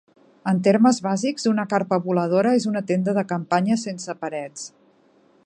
En termes bàsics, una carpa voladora és una tenda de campanya sense parets.